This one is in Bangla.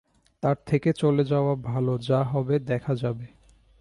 তার থেকে চলে যাওয়া ভাল যা হবে দেখা যাবে।